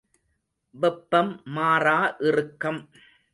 வெப்பம் மாறா இறுக்கம்.